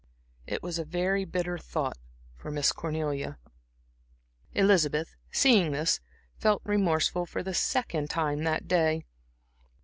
It was a very bitter thought for Miss Cornelia. Elizabeth, seeing this, felt remorseful for the second time that day.